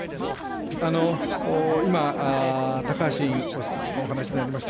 今、高橋委員お話しになりました